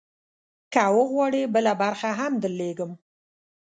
که وغواړې، بله برخه هم درولیږم.